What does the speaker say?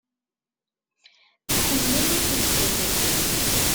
Tḥemmel ifelfel.